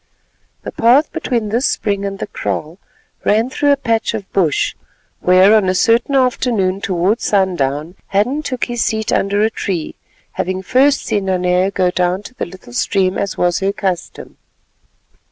The path between this spring and the kraal ran through a patch of bush, where on a certain afternoon towards sundown Hadden took his seat under a tree, having first seen Nanea go down to the little stream as was her custom.